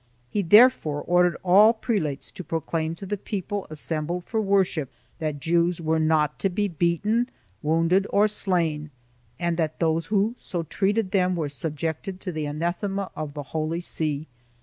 He therefore ordered all prelates to proclaim to the people assembled for worship that Jews were not to be beaten, wounded, or slain and that those who so treated them were subjected to the anathema of the Holy See.